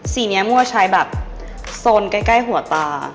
สีนี้มั่วใช้แบบโซนใกล้หัวตา